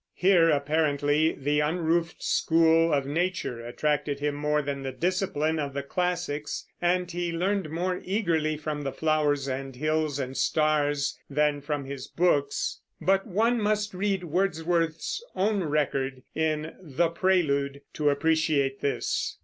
Here, apparently, the unroofed school of nature attracted him more than the discipline of the classics, and he learned more eagerly from the flowers and hills and stars than from his books; but one must read Wordsworth's own record, in The Prelude, to appreciate this.